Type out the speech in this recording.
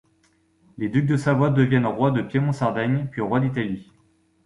Les ducs de Savoie deviennent rois de Piémont-Sardaigne, puis rois d'Italie.